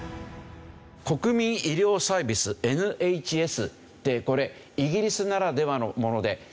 国民医療サービスＮＨＳってこれイギリスならではのもので。